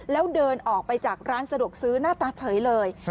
แล้วเดินออกไปจากร้านสะดวกซื้อหน้าตาเฉยเลย